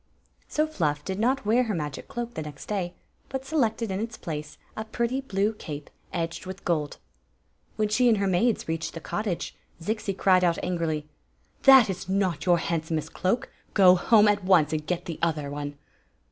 So Fluff did not wear her magic cloak the next day, but sekdsdm ils pb^ a pretfy blue €»pe edged 156 Queen Zixi of Ix; or, the with gold When she and her maids reached the cottage, Zixi cried out angrily: "That is not your handsomest cloak. Go home at once and get the other one!"